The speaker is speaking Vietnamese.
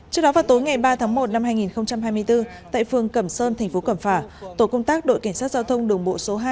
trước đó vào tối ngày ba tháng một năm hai nghìn hai mươi bốn tại phường cẩm sơn thành phố cẩm phả tổ công tác đội cảnh sát giao thông đường bộ số hai